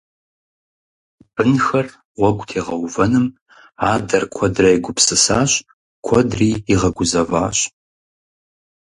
Бынхэр гъуэгу тегъэувэным адэр куэдрэ егупсысащ, куэдри игъэгузэващ.